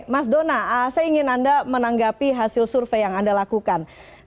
mas dona saya ingin anda menanggapi hasil survei yang anda lakukan